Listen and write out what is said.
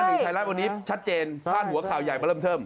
ทางที่ท้ายแรกตรงนี้ชัดเจนผ่านหัวข่าวใหญ่มาเริ่มเท่ม